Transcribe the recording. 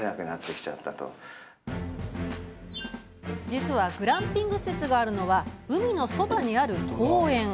実はグランピング施設があるのは海のそばにある公園。